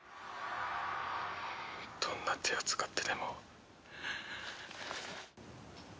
どんな手を使ってでも。